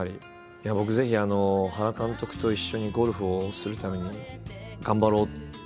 いや僕ぜひ原監督と一緒にゴルフをするために頑張ろうと。